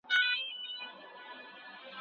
ایا واړه پلورونکي وچه میوه ساتي؟